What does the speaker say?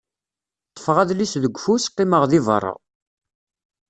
Ṭfeɣ adlis deg ufus, qqimeɣ deg berra.